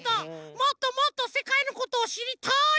もっともっとせかいのことをしりたい！